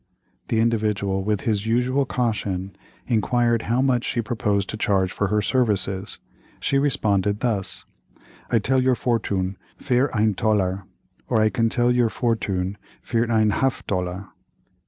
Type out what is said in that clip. The Individual, with his usual caution, inquired how much she proposed to charge for her services. She responded thus: "I tell your for_toon_ fier ein tollar, or I can tell your for_toon_ fier ein half tollar."